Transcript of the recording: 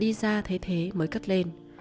rồi ngoại đi ra thấy thế mới cất lên